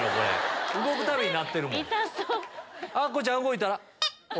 アッコちゃん動いたら。